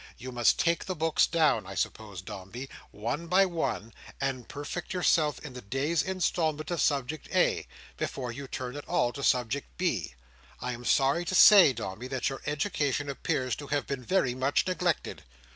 You must take the books down, I suppose, Dombey, one by one, and perfect yourself in the day's instalment of subject A, before you turn at all to subject B. I am sorry to say, Dombey, that your education appears to have been very much neglected."